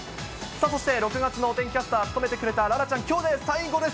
そして、６月のお天気キャスターを務めてくれた楽々ちゃん、きょうで最後です。